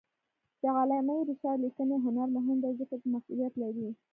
د علامه رشاد لیکنی هنر مهم دی ځکه چې مسئولیت لري.